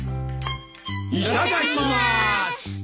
いただきまーす。